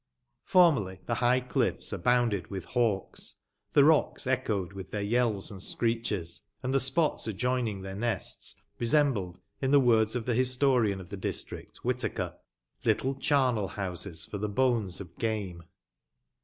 Formerlj, the high cliffs abonnded with hawks; the rocks echoed with their yells and screeches, and the spots adjoining their nests resembled, in the words of the historian of the district, Whitaker, *' little chamel houses for the bones of game."